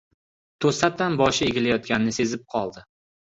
To‘satdan boshi egilayotganini sezib qoldi.